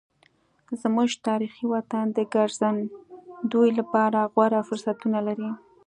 زموږ تاریخي وطن د ګرځندوی لپاره غوره فرصتونه لري.